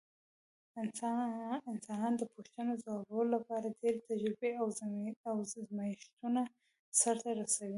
انسانان د پوښتنو ځوابولو لپاره ډېرې تجربې او ازمېښتونه سرته رسوي.